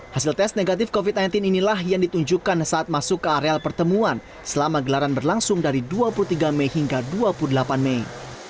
hasil tes negatif covid sembilan belas inilah yang ditunjukkan saat masuk ke areal pertemuan selama gelaran berlangsung dari dua puluh tiga mei hingga dua puluh delapan mei